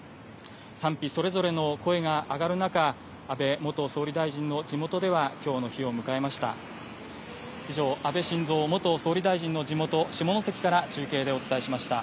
賛否それぞれの声が上がる中、安倍元総理大臣の地元ではきょうの日を迎えました。